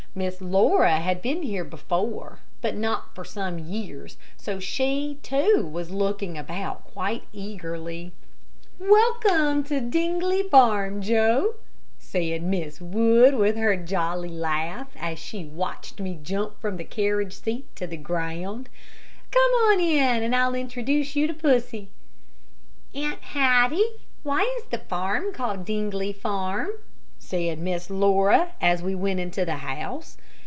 Miss Laura had been here before, but not for some years, so she, too, was looking about quite eagerly. "Welcome to Dingley Farm, Joe," said Mrs. Wood, with her jolly laugh, as she watched me jump from the carriage seat to the ground. "Come in, and I'll introduce you to pussy." "Aunt Hattie, why is the farm called Dingley Farm?" said Miss Laura, as we went into the house.